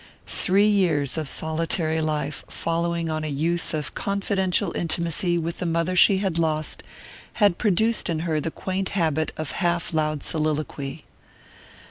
Three years of solitary life, following on a youth of confidential intimacy with the mother she had lost, had produced in her the quaint habit of half loud soliloquy.